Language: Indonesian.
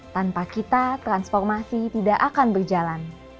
tanpa kita transformasi tidak akan berjalan